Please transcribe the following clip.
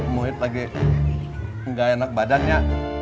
muhyiddin lagi gak enak badannya